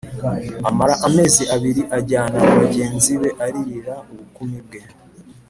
amara amezi abiri Ajyana na bagenzi be aririra ubukumi bwe